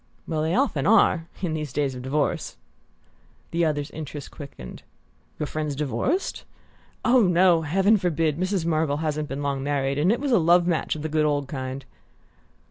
"Well, they often are in these days of divorce!" The other's interest quickened. "Your friend's divorced?" "Oh, no; heaven forbid! Mrs. Marvell hasn't been long married; and it was a love match of the good old kind."